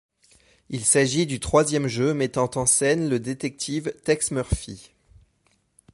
Il s'agit du troisième jeu mettant en scène le détective Tex Murphy.